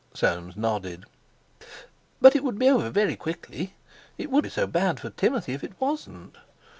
Soames nodded. But it would be over very quickly. It would be so bad for Timothy if it wasn't.